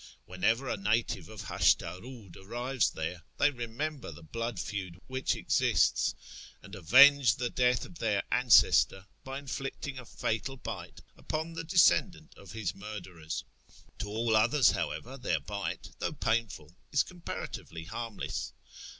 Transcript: Whenever a native of Hashtarud arrives there, they remember the blood feud which exists, and avenge the death of their " ancestor " by inflicting a fatal bite upon the descendant of his murderers. To all others, however, their bite, though painful, is comparatively harmless.